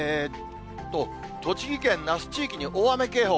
栃木県那須地域に大雨警報。